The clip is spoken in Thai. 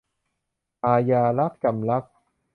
อาญารัก - จำลักษณ์